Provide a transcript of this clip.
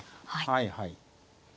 はいはい。